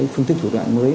phương thức thủ đoạn mới